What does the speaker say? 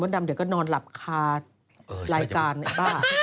ดำเดี๋ยวก็นอนหลับคารายการไอ้บ้า